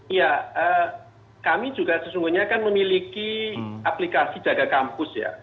iya kami juga sesungguhnya kan memiliki aplikasi jaga kampus ya